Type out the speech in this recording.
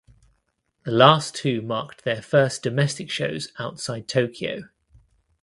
The last two marked their first domestic shows outside Tokyo.